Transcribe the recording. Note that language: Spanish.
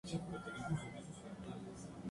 Es hijo y nieto de maestros.